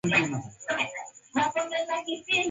Baada ya Biko kurudi kule kwao alikozaliwa na akaanzisha